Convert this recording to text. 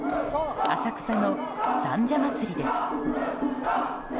浅草の三社祭です。